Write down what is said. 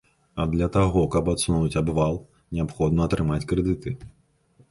А для таго, каб адсунуць абвал, неабходна атрымаць крэдыты.